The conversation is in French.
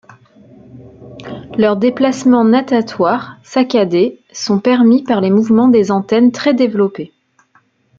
Leurs déplacements natatoires, saccadés, sont permis par les mouvements des antennes très développées.